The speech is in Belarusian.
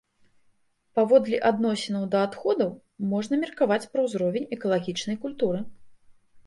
Паводле адносінаў да адходаў можна меркаваць пра ўзровень экалагічнай культуры.